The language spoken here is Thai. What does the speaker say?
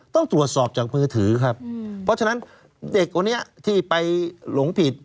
ต้องตรวจสอบจากมือถือครับเพราะฉะนั้นเด็กคนนี้ที่ไปหลงผิด